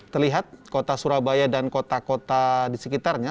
terlihat kota surabaya dan kota kota di sekitarnya